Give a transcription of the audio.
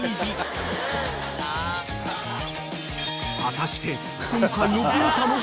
［果たして］